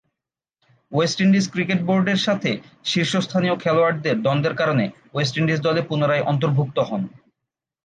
West Indies cricket বোর্ডের সাথে শীর্ষস্থানীয় খেলোয়াড়দের দ্বন্দ্বের কারণে ওয়েস্ট ইন্ডিজ দলে পুনরায় অন্তর্ভুক্ত হন।